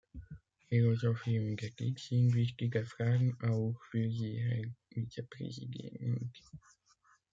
Philosophie und Ethik sind wichtige Fragen, auch für Sie, Herr Vizepräsident.